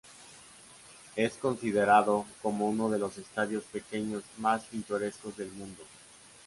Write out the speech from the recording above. Es considerado como uno de los estadios pequeños más pintorescos del mundo.